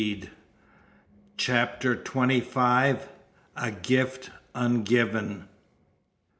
CHAPTER TWENTY FIVE. A GIFT UNGIVEN.